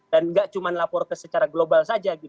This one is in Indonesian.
dan tidak hanya laporan secara global saja